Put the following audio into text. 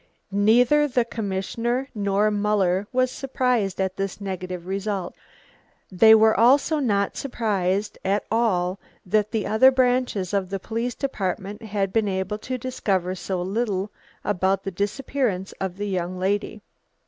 Neither the commissioner nor Muller was surprised at this negative result. They were also not surprised at all that the other branches of the police department had been able to discover so little about the disappearance of the young lady.